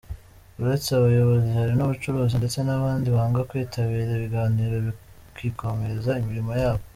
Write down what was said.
Uretse abayobozi hari n’abacuruzi ndetse n’abandi banga kwitabira ibiganiro bakikomereza imirimo yabo.